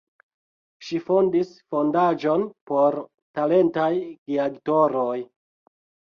Ŝi fondis fondaĵon por talentaj geaktoroj.